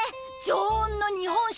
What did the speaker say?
常温の日本酒と。